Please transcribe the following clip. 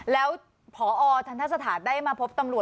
แล้วพอทันทสถานได้มาพบตำรวจ